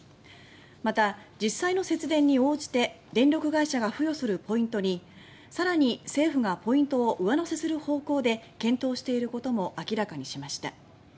また、実際の節電に応じて電力会社が付与するポイントに更に政府がポイントを上乗せする方向で検討していることも明らかにしました。